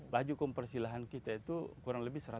laju kompresi silahan kita itu kurang lebih